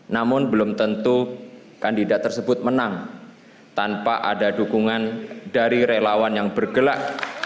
namun belum tentu kandidat tersebut menang tanpa ada dukungan dari relawan yang bergerak